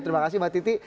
terima kasih mbak titi